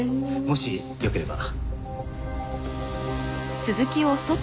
もしよければ。